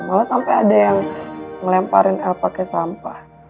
malah sampe ada yang ngelemparin el pake sampah